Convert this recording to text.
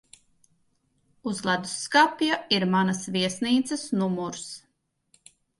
Uz ledusskapja ir manas viesnīcas numurs.